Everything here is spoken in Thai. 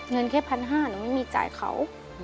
เงินแค่พันห้าหนูไม่มีจ่ายเขา